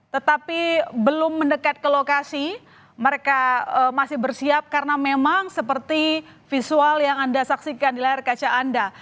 tetapi belum mendekat ke lokasi mereka masih bersiap karena memang seperti visual yang anda saksikan di layar kaca anda